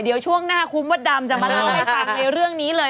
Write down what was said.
เดี๋ยวช่วงหน้าคุณมดดำจะมาเล่าให้ฟังในเรื่องนี้เลย